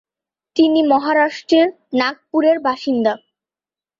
তিনি মহারাষ্ট্রের নাগপুরের বাসিন্দা।